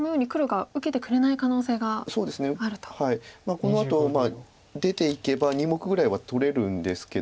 このあと出ていけば２目ぐらいは取れるんですけど。